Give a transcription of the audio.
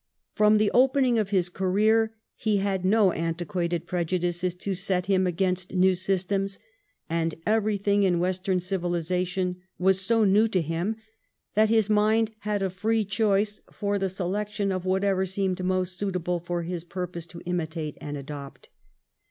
From the opening of his career he had no antiquated prejudices to set him against new systems, and everything in Western civilisation was so new to him that his mind had a free choice for the selection of whatever seemed most suitable for his purpose to imitate and adopt.